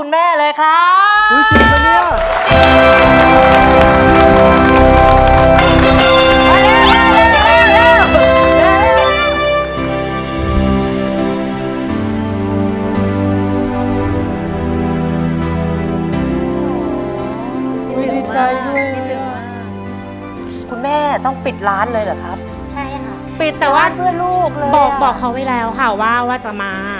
มาเลยครับครับลูกหน้า